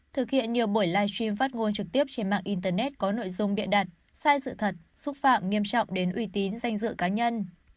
thực hiện nhiều buổi live stream phát ngôn trực tiếp trên mạng internet có nội dung biện đặt sai sự thật xúc phạm nghiêm trọng đến uy tín danh dự cá nhân